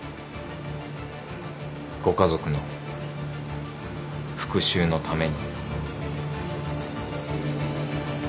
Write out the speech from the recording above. ご家族の復讐のために。